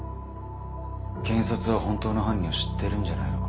検察は本当の犯人を知ってるんじゃないのか？